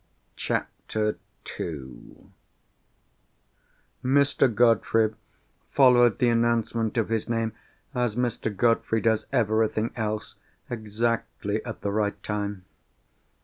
CHAPTER II Mr. Godfrey followed the announcement of his name—as Mr. Godfrey does everything else—exactly at the right time.